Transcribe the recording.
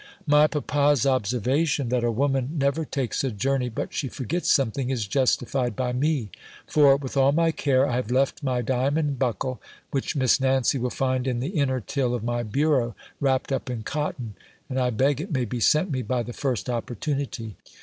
My papa's observation, that a woman never takes a journey but she forgets something, is justified by me; for, with all my care, I have left my diamond buckle, which Miss Nancy will find in the inner till of my bureau, wrapt up in cotton; and I beg it may be sent me by the first opportunity.